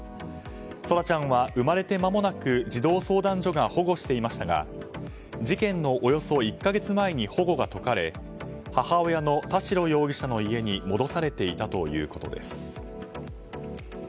空来ちゃんは生まれてまもなく児童相談所が保護していましたが事件のおよそ１か月前に保護が解かれ母親の田代容疑者の家に戻されていたということです。